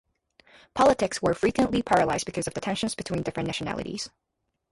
Politics were frequently paralysed because of the tensions between different nationalities.